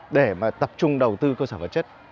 để tập trung đầu tư cơ sở vật chất